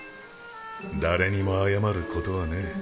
誰にも謝ることはねぇ。